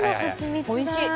おいしい！